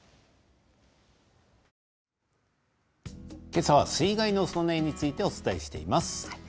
けさは水害の備えについてお伝えしています。